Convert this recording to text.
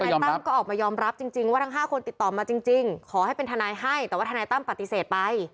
ตั้มก็ออกมายอมรับจริงว่าทั้ง๕คนติดต่อมาจริงขอให้เป็นทนายให้แต่ว่าทนายตั้มปฏิเสธไป